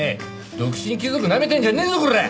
独身貴族なめてんじゃねえぞコラッ！